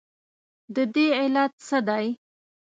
ددې علت څه دی؟